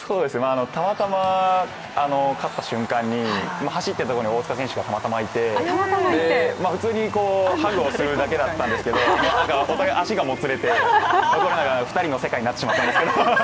たまたま勝った瞬間に、走って行ったところに大塚選手がたまたまいて、で、普通にハグをするだけだったんですけどお互い足がもつれて、２人の世界になってしまったんですけど。